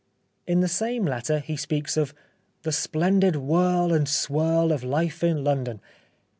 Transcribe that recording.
In the same letter, he speaks of " the splendid whirl and swirl of life in London."